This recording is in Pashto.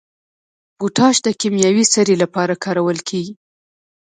پوټاش د کیمیاوي سرې لپاره کارول کیږي.